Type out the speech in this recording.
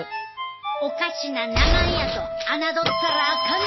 おかしな名前やと侮ったらあかんで！